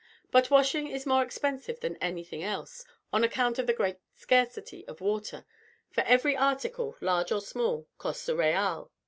but washing is more expensive than anything else, on account of the great scarcity of water, for every article, large or small, costs a real (6d.).